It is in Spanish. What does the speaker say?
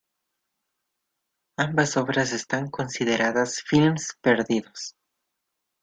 Ambas obras están consideradas films perdidos.